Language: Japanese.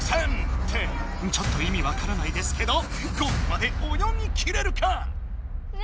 ⁉ってちょっといみ分からないですけどゴールまでおよぎきれるか？